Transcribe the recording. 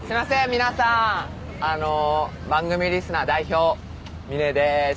皆さんあの番組リスナー代表みねです